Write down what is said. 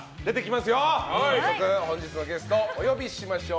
本日のゲストお呼びしましょう。